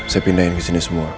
saya pindahin ke sini semua